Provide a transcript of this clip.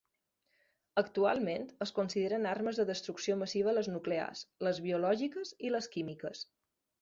Actualment, es consideren armes de destrucció massiva les nuclears, les biològiques i les químiques.